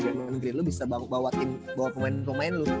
raven green lu bisa bawa pemain pemain lu